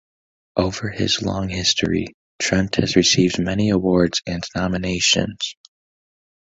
Over his long history, Trent has received many awards and nominations.